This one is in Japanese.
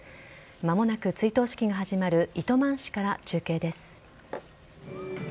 間もなく追悼式が始まる糸満市から中継です。